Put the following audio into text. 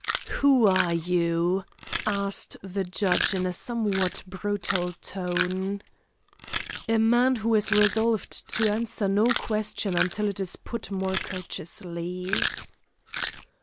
"Who are you?" asked the judge in a somewhat brutal tone. "A man who is resolved to answer no question until it is put more courteously."